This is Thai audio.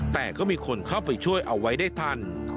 แต่ก็มีคนเข้าไปช่วยเอาไว้ได้ทัน